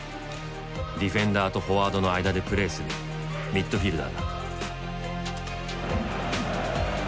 ディフェンダーとフォワードの間でプレーするミッドフィルダーだ。